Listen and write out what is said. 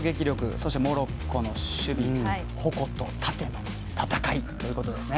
そしてモロッコの守備矛と盾の戦いということですね。